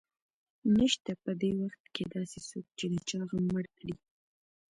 نشته په دې وخت کې داسې څوک چې د چا غم مړ کړي